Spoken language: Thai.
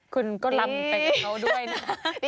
คุณก็ลำไปกับเขาด้วยนะ